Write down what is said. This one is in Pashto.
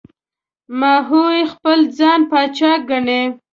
ماهوی خپل ځان پاچا ګڼي.